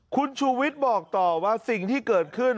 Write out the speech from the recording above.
คุณชูวิทย์บอกต่อว่าสิ่งที่เกิดขึ้น